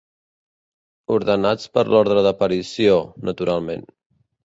Ordenats per ordre d'aparició, naturalment.